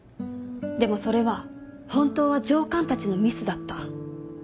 でもそれは本当は上官たちのミスだった。